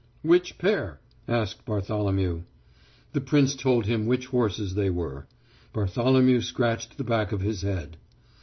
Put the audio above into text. "Which pair?" asked Bartholomew. The prince told him which horses they were. Bartholomew scratched the back of his head.